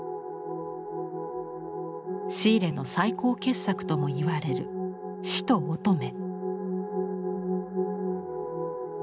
シーレの最高傑作とも言われる「死と乙女」。